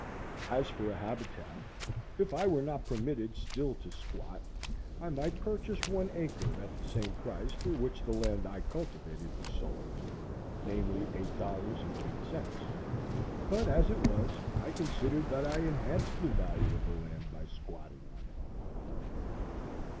As for a habitat, if I were not permitted still to squat, I might purchase one acre at the same price for which the land I cultivated was sold—namely, eight dollars and eight cents. But as it was, I considered that I enhanced the value of the land by squatting on it.